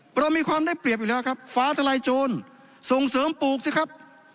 เรามีความได้เปรียบอยู่แล้วครับฟ้าทลายโจรส่งเสริมปลูกสิครับ